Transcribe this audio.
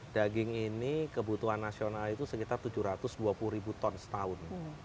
daging ini kebutuhan nasional itu sekitar tujuh ratus dua puluh ribu ton setahun